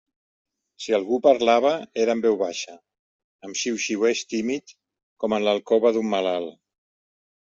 Si algú parlava, era en veu baixa, amb xiuxiueig tímid, com en l'alcova d'un malalt.